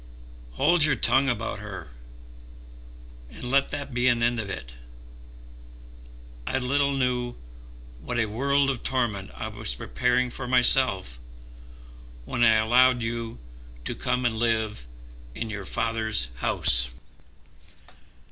"Hold your tongue about her, and let that be an end of it. I little knew what a world of torment I was preparing for myself when I allowed you to come and live in your father's house."